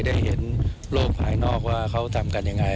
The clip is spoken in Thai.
ได้เห็นโลกภายนอกว่าเขาทำกันยังไง